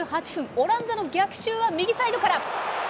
オランダの逆襲は右サイドから。